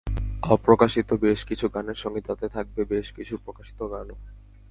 অপ্রকাশিত বেশ কিছু গানের সঙ্গে তাতে থাকবে বেশ কিছু প্রকাশিত গানও।